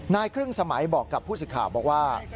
นายครึ่งสมัยบอกกับผู้สิทธิ์ข่าวบอกว่า